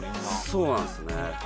そうなんですね。